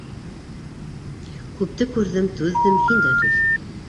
Күпте күрҙем, түҙҙем, һин дә түҙ.